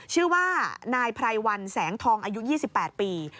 ชื่อว่านายไพรวันแสงทองอายุ๒๘ปี